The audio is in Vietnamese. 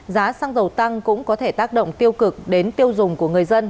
giá xăng dầu tăng cũng có thể tác động tiêu cực đến tiêu dùng của người dân